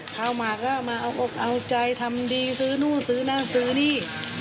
เข้ามาก็มาเอาอกเอาใจทำดีซื้อนู่นซื้อนั่นซื้อนี่